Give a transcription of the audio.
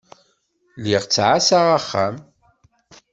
Lliɣ ttɛassaɣ axxam.